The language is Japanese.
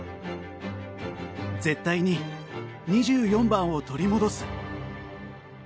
絶対に２４番を取り戻す！